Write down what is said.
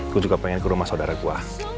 gue juga pengen ke rumah sodara gue